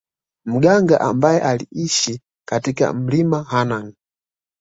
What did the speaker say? Mganga ambaye aliishi katika mlima Hanah